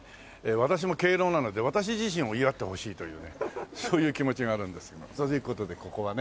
私も敬老なので私自身を祝ってほしいというそういう気持ちがあるんですが。という事でここはね